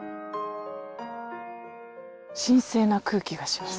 神聖な空気がします。